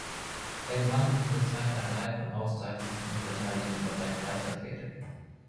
Er gewann in dieser Zeit eine Reihe von Auszeichnungen und Medaillen im Bereich Leichtathletik.